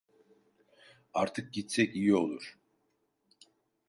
Artık gitsek iyi olur.